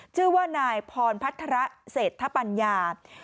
ชื่อว่านายพรพัฒระเศรษฐปัญญา